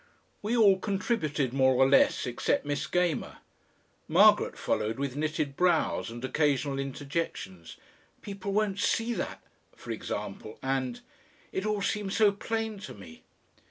We all contributed more or less except Miss Gamer; Margaret followed with knitted brows and occasional interjections. "People won't SEE that," for example, and "It all seems so plain to me."